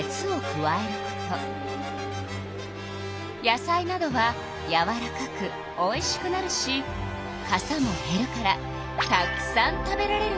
野菜などはやわらかくおいしくなるしかさもへるからたくさん食べられるのよ。